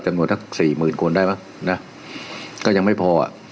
จำนวนทั้งสี่หมื่นคนได้ไหมนะก็ยังไม่พออ่ะ